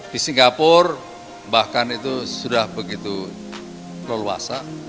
di singapura bahkan itu sudah begitu leluasa